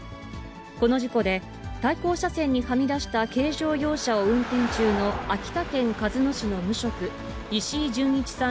この事故で、対向車線にはみ出した軽乗用車を運転中の秋田県鹿角市の無職、石井純一さん